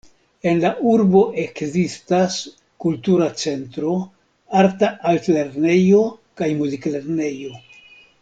En la urbo ekzistas kultura centro, arta altlernejo kaj muziklernejo.